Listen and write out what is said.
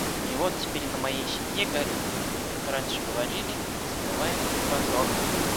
И вот теперь на моей щеке горит, как раньше говорили, несмываемый позор.